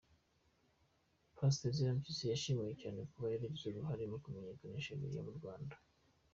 Pastor Ezra Mpyisi yashimiwe cyane kuba yaragize uruhare mu kumenyekanisha Bibiliya mu Rwanda.